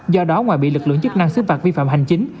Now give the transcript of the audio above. do đó ngoài bị lực lượng chức năng xứt vạt vi phạm hành chính